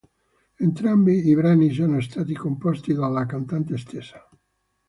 Entrambi i brani sono stati composti dalla cantante stessa.